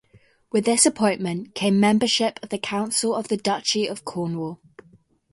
With this appointment came membership of the Council of the Duchy of Cornwall.